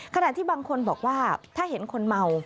ขณะที่บางคนบอกว่าถ้าเห็นคนเมา